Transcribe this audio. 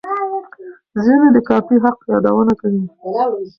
ځینې د کاپي حق یادونه کوي.